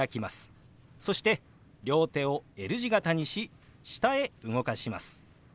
そして両手をＬ字形にし下へ動かします。